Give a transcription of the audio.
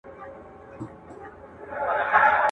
پر اسمان ستوری نه لري، پر مځکه غولی.